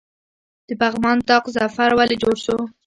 د پغمان طاق ظفر ولې جوړ شو؟